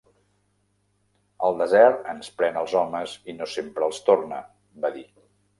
"El desert ens pren els homes i no sempre els torna", va dir.